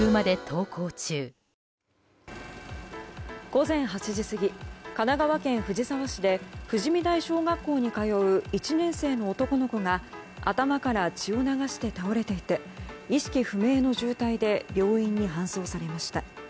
午前８時過ぎ神奈川県藤沢市で富士見台小学校に通う１年生の男の子が頭から血を流して倒れていて意識不明の重体で病院に搬送されました。